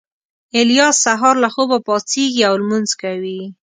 الیاس سهار له خوبه پاڅېږي او لمونځ کوي